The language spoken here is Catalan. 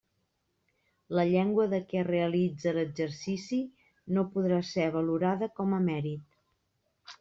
La llengua de què es realitze l'exercici no podrà ser valorada com a mèrit.